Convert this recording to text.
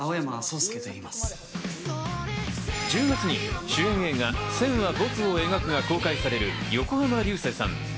１０月に主演映画『線は、僕を描く』が公開される横浜流星さん。